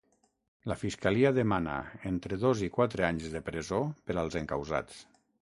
La fiscalia demana entre dos i quatre anys de presó per als encausats.